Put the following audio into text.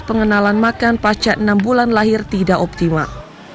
pengenalan makan pacar enam bulan lahir tidak optimal